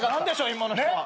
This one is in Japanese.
今の人は。